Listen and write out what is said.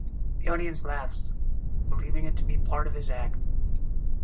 The audience laughs, believing it to be part of his act.